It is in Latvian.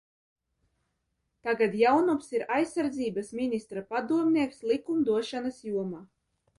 Tagad Jaunups ir aizsardzības ministra padomnieks likumdošanas jomā.